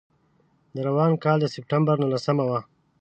د روان کال د سپټمبر نولسمه وه.